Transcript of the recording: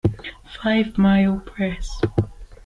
Five Mile Press.